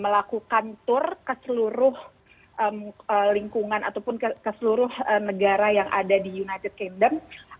melakukan tour ke seluruh lingkungan ataupun ke seluruh negara yang ada di united candom